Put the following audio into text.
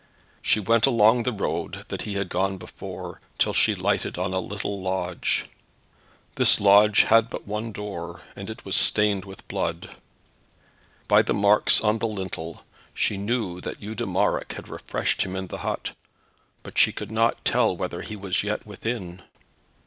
She went along the road that he had gone before, till she lighted on a little lodge. This lodge had but one door, and it was stained with blood. By the marks on the lintel she knew that Eudemarec had refreshed him in the hut, but she could not tell whether he was yet within.